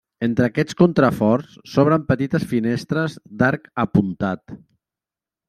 Entre aquests contraforts s'obren petites finestres d'arc apuntat.